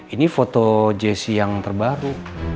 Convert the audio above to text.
ini foto jesse yang terbaru